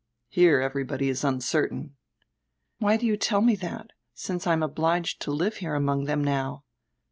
Here everybody is uncertain." "Why do you tell me that, since I am obliged to live here among diem now?"